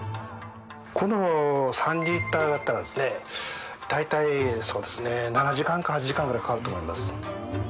この３リッターだったらですね、大体そうですね、７時間か８時間ぐらいかかると思います。